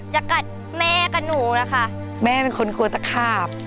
จะกัดแม่กับหนูนะคะแม่เป็นคนกลัวตะขาบ